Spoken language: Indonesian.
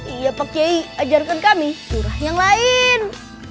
iya pak yai ajarkan kami surah yang lain